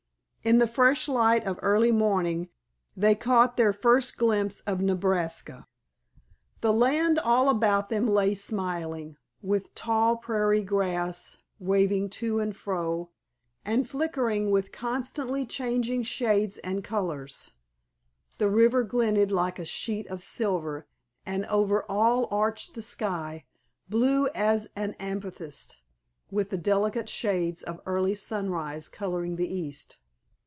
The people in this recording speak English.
In the fresh light of early morning, they caught their first glimpse of Nebraska. The land all about them lay smiling, with tall prairie grass waving to and fro and flickering with constantly changing shades and colors, the river glinted like a sheet of silver, and over all arched the sky, blue as an amethyst, with the delicate shades of early sunrise coloring the east.